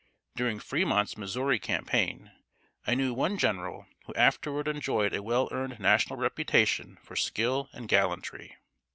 During Fremont's Missouri campaign, I knew one general who afterward enjoyed a well earned national reputation for skill and gallantry.